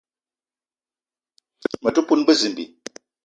Me te poun bezimbi